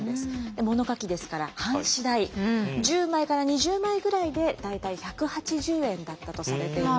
物書きですから半紙代１０枚から２０枚ぐらいで大体１８０円だったとされています。